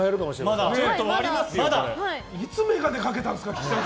いつ眼鏡かけたんですか？